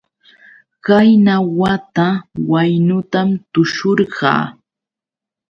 Qayna wata waynutam tushurqaa.